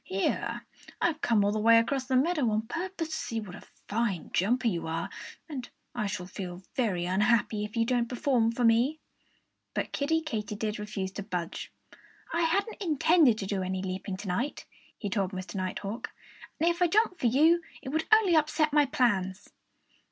"Here I've come all the way across the meadow on purpose to see what a fine jumper you are! And I shall feel very unhappy if you don't perform for me." But Kiddie Katydid refused to budge. "I hadn't intended to do any leaping to night," he told Mr. Nighthawk. "And if I jumped for you, it would only upset my plans."